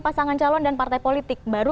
pasangan calon dan partai politik baru